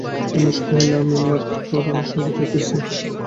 উমেশ কহিল, আমি মাঠাকরুনের সঙ্গে যাইতেছি।